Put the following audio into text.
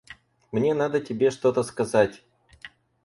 Мне надо тебе что-то сказать.